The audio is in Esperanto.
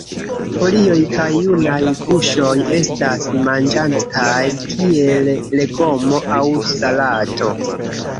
Folioj kaj junaj guŝoj estas manĝataj kiel legomo aŭ salato.